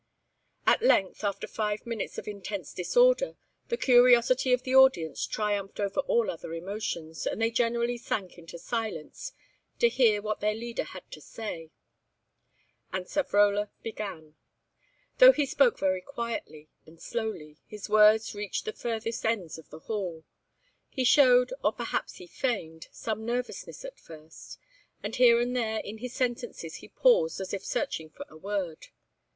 At length, after five minutes of intense disorder, the curiosity of the audience triumphed over all other emotions, and they generally sank into silence, to hear what their leader had to say. Again Savrola began. Though he spoke very quietly and slowly, his words reached the furthest ends of the hall. He showed, or perhaps he feigned, some nervousness at first, and here and there in his sentences he paused as if searching for a word.